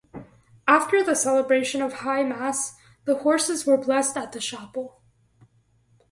After the celebration of high mass, the horses were blessed at the chapel.